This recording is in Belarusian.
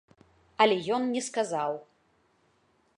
Але ён не сказаў.